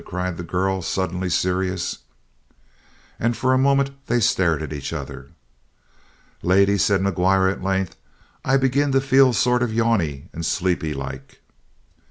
cried the girl, suddenly serious. And for a moment they stared at each other. "Lady," said McGuire at length, "I begin to feel sort of yawny and sleepy, like."